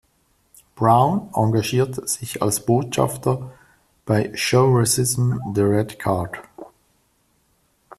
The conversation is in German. Brown engagiert sich als Botschafter bei Show Racism the Red Card.